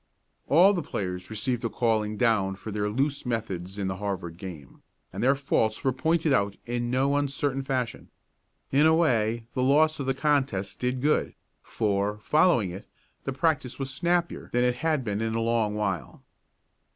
All the players received a calling down for their loose methods in the Harvard game, and their faults were pointed out in no uncertain fashion. In a way the loss of the contest did good, for, following it, the practice was snappier than it had been in a long while.